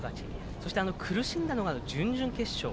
そして苦しんだのが準々決勝。